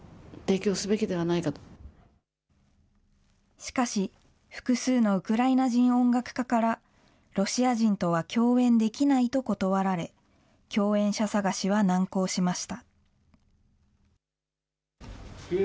しかし、複数のウクライナ人音楽家から、ロシア人とは共演できないと断られ、共演者探しは難航しました。